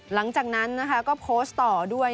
หลังจากนั้นนะคะก็โพสต์ต่อด้วย